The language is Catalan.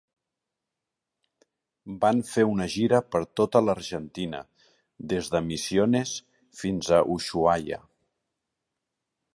Van fer una gira per tota l'Argentina, des de Misiones fins a Ushuaia.